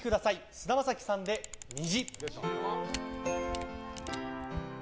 菅田将暉さんで「虹」。